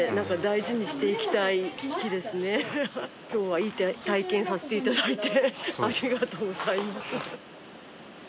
今日はいい体験させていただいてありがとうございます